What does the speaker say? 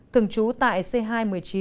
thường trú tại c hai một mươi chín